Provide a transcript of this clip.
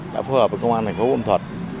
đã phù hợp với công an tp bùi mà thuật